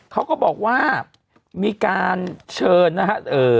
เขาก็บอกว่ามีการเชิญนะครับ